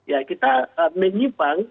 ya kita menyimpang